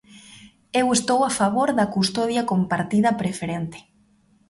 Eu estou a favor da custodia compartida preferente.